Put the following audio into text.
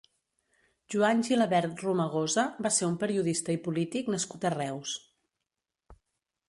Joan Gilabert Romagosa va ser un periodista i polític nascut a Reus.